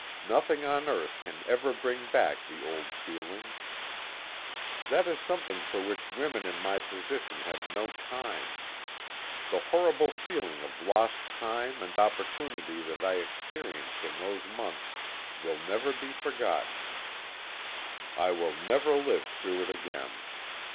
Nothing on earth can ever bring back the old feeling. That is something for which women in my position have no time. The horrible feeling of lost time and opportunity that I experienced in those months will never be forgotten. I will never live through it again.